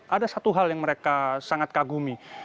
ada satu hal yang mereka sangat kagumi